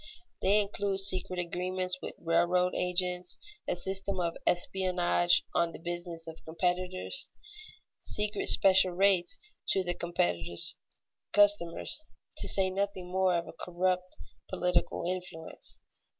They include secret agreements with railroad agents, a system of espionage on the business of competitors, secret special rates to the competitor's customers, to say nothing more of corrupt political influence.